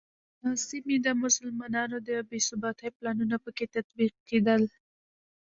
د سیمې د مسلمانانو د بې ثباتۍ پلانونه په کې تطبیقېدل.